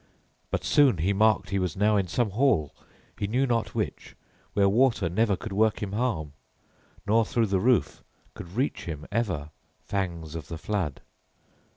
But soon he marked he was now in some hall, he knew not which, where water never could work him harm, nor through the roof could reach him ever fangs of the flood.